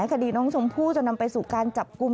คดีน้องชมพู่จนนำไปสู่การจับกลุ่ม